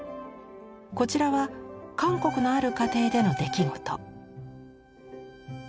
こちらは韓国のある家庭での出来事。